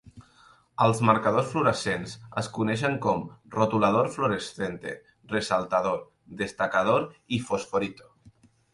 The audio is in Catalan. Els marcadors fluorescents es coneixen com "rotulador fluorescente", "resaltador", "destacador", i "fosforito".